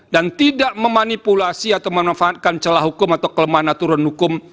dan tidak memanipulasi atau menofatkan celah hukum atau kelemahan aturan hukum